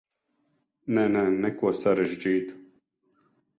Nē, nē, neko sarežģītu.